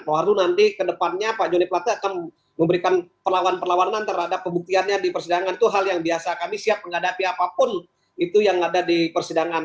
baru nanti kedepannya pak joni platte akan memberikan perlawanan perlawanan terhadap pembuktiannya di persidangan itu hal yang biasa kami siap menghadapi apapun itu yang ada di persidangan